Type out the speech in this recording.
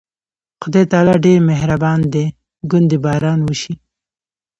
خدای تعالی ډېر مهربانه دی، ګوندې باران وشي.